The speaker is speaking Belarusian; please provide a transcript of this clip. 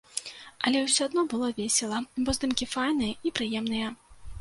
Але ўсё адно было весела, бо здымкі файныя і прыемныя.